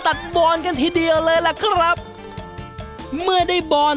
บอลกันทีเดียวเลยล่ะครับเมื่อได้บอล